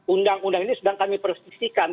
undang undang ini sedang kami prestisikan